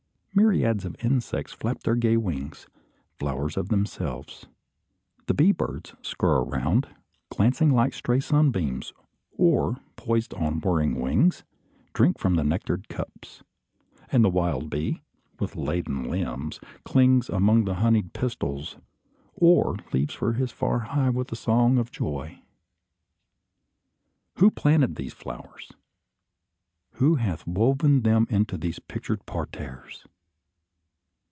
Myriads of insects flap their gay wings: flowers of themselves. The bee birds skirr around, glancing like stray sunbeams; or, poised on whirring wings, drink from the nectared cups; and the wild bee, with laden limbs, clings among the honeyed pistils, or leaves for his far hive with a song of joy. Who planted these flowers? Who hath woven them into these pictured parterres?